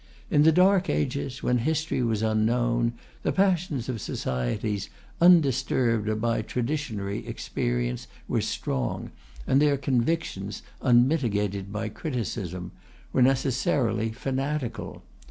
In the dark ages, when history was unknown, the passions of societies, undisturbed by traditionary experience, were strong, and their convictions, unmitigated by criticism, were necessarily fanatical.